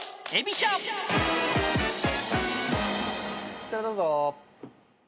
こちらどうぞ。